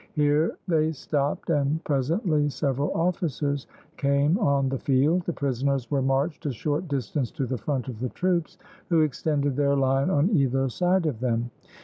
Here they stopped, and presently several officers came on the field. The prisoners were marched a short distance to the front of the troops, who extended their line on either side of them.